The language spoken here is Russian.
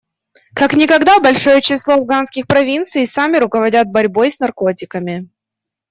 Как никогда большое число афганских провинций сами руководят борьбой с наркотиками.